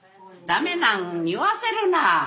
だめなんに言わせるな！